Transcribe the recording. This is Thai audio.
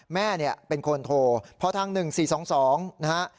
แม่เป็นคนโทรเพราะทาง๑๔๒๒นะฮะ